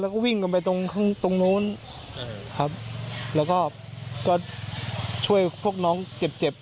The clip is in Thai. แล้วก็วิ่งกันไปตรงข้างตรงนู้นครับแล้วก็ก็ช่วยพวกน้องเจ็บเจ็บ